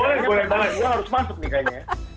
boleh boleh gue harus masuk nih kayaknya ya